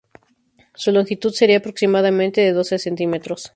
Su longitud sería aproximadamente de doce centímetros.